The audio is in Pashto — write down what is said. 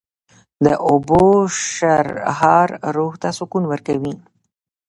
د اوبو شرهار روح ته سکون ورکوي